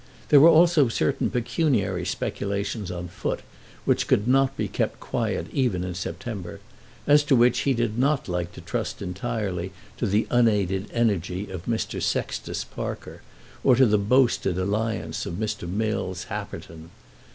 There were also certain pecuniary speculations on foot, which could not be kept quite quiet even in September, as to which he did not like to trust entirely to the unaided energy of Mr. Sextus Parker, or to the boasted alliance of Mr. Mills Happerton.